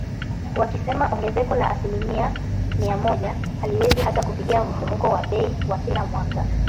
wakisema ongezeko la asilimia mia moja haliwezi hata kufidia mfumuko wa bei wa kila mwaka